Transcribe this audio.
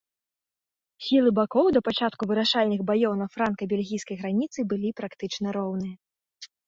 Сілы бакоў да пачатку вырашальных баёў на франка-бельгійскай граніцы былі практычна роўныя.